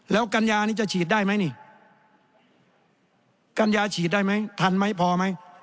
แล้วกัญญานี้จะฉีดได้ไหมนี่กัญญาฉีดได้ไหมทันไหมพอไหม